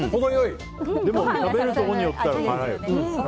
でも、食べるところによっては辛い。